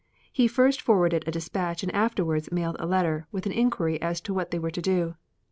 He first forwarded a dispatch and afterwards mailed a letter with an inquiry as to what they were to do.